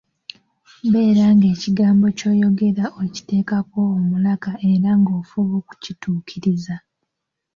Beera ng'ekigambo ky'oyogera okiteekako omulaka era ng'ofuba okukituukiriza.